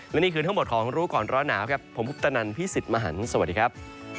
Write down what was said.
และนี่คือทั้งหมดของรู้ก่อนร้อนหนาวครับผมพุทธนันพี่สิทธิ์มหันฯสวัสดีครับ